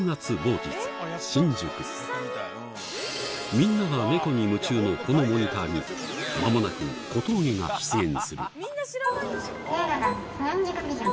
みんなが猫に夢中のこのモニターに間もなく小峠が出現するみんな知らない。